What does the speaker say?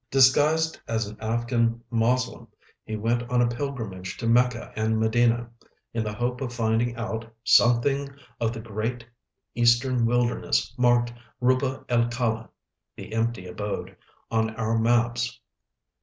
Disguised as an Afghan Moslem, he went on a pilgrimage to Mecca and Medina, in the hope of finding out "something of the great eastern wilderness marked 'Ruba el Khala' (the Empty Abode) on our maps."